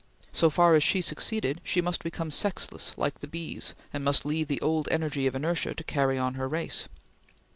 So far as she succeeded, she must become sexless like the bees, and must leave the old energy of inertia to carry on the race.